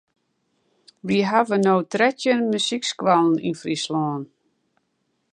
We hawwe no trettjin muzykskoallen yn Fryslân.